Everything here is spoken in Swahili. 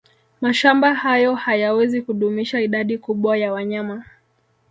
Mashamba hayo hayawezi kudumisha idadi kubwa ya wanyama